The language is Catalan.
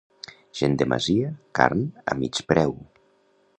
Gent de masia, carn a mig preu.